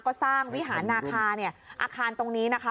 ก็สร้างวิหารนาคาเนี่ยอาคารตรงนี้นะคะ